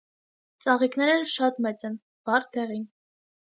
Ծաղիկները շատ մեծ են, վառ դեղին։